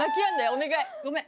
お願いごめん。